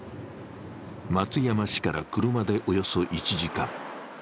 松山市から車でおよそ１時間。